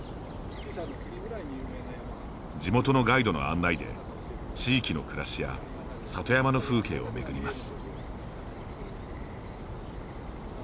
地元のガイドの案内で地域の暮らしや里山の風景を巡ります。